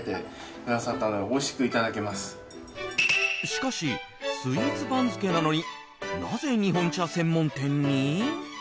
しかし、スイーツ番付なのになぜ日本茶専門店に？